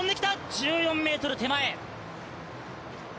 １４ｍ手前。